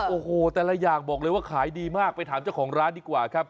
โอ้โหแต่ละอย่างบอกเลยว่าขายดีมากไปถามเจ้าของร้านดีกว่าครับ